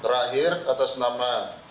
terakhir atas nama